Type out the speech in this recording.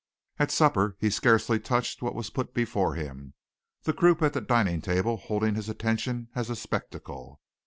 At supper he scarcely touched what was put before him, the group at the dining table holding his attention as a spectacle.